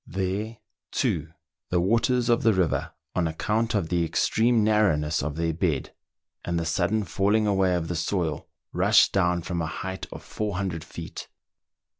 There, too, the waters of the river, on account of the extreme narrouTiess of their bed, and the sudden falling away of the soil, rushed down from a height of 400 feet.